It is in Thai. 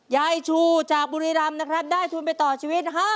ยายชูจากบุรีรำนะครับได้ทุนไปต่อชีวิต